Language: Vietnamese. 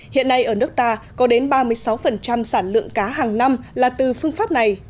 hiện nay ở nước ta có đến ba mươi sáu sản lượng cá hàng năm là từ phương pháp này